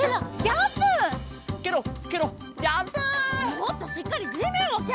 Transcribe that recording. もっとしっかりじめんをける！